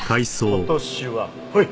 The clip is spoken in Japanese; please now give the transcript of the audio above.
今年はほい。